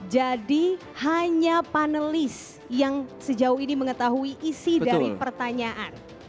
jadi hanya panelis yang sejauh ini mengetahui isi dari pertanyaan